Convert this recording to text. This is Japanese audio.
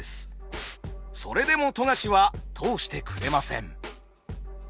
それでも富樫は通してくれません。